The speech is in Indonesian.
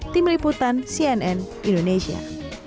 tim liputan cnn indonesia